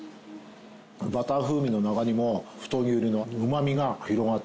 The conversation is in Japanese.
バター風味の中にも太きゅうりのうまみが広がっていく。